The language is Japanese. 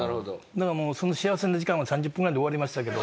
だからもうその幸せな時間は３０分ぐらいで終わりましたけど。